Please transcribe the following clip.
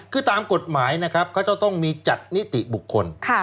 คือตามกฎหมายนะครับเขาจะต้องมีจัดนิติบุคคล